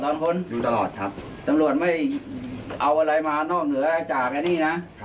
ตำรวจไม่เอาอะไรมาน่อเหนือจากอันนี้นะ